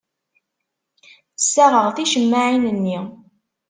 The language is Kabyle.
Ssaɣeɣ ticemmaɛin-nni.